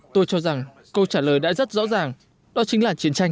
tôi cho rằng câu trả lời đã rất rõ ràng đó chính là chiến tranh